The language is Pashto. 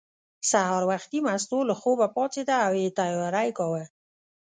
سهار وختي مستو له خوبه پاڅېده او یې تیاری کاوه.